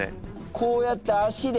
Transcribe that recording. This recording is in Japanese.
こうやって足で。